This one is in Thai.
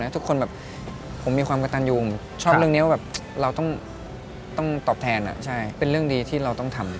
ทุกคนแบบผมมีความกระตันยูผมชอบเรื่องนี้ว่าแบบเราต้องตอบแทนเป็นเรื่องดีที่เราต้องทำ